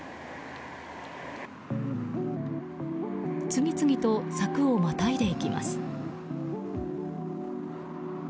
次々と柵をまたいでいきます。